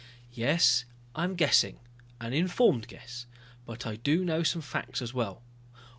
"Yes, I'm guessing an informed guess but I do know some facts as well.